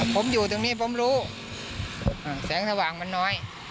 ผมอยู่ตรงนี้ผมรู้แสงสว่างมันน้อย